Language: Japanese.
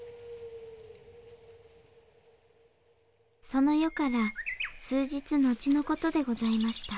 その夜から数日後の事でございました・